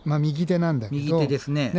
右手ですね。